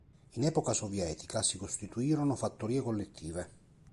In epoca sovietica, si costituirono fattorie collettive.